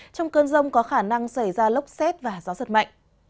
trong cơn rông có khả năng xảy ra lốc xét và gió giật mạnh